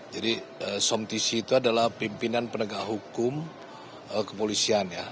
jadi somtc itu adalah pimpinan penegak hukum kepolisian ya